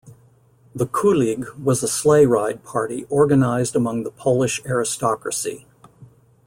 The kulig was a sleigh ride party organized among the Polish aristocracy.